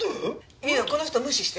いいのこの人は無視して。